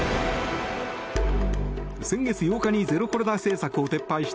先月８日にゼロコロナ政策を撤廃した